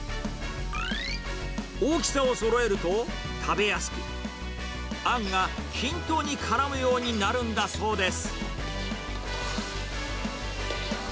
大きさをそろえると食べやすく、あんが均等にからむようになるんだそうです。